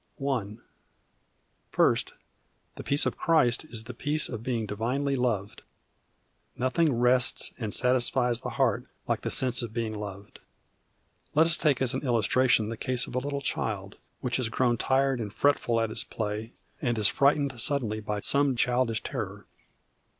I. First, the peace of Christ is the peace of being divinely loved. Nothing rests and satisfies the heart like the sense of being loved. Let us take as an illustration the case of a little child, which has grown tired and fretful at its play, and is frightened suddenly by some childish terror.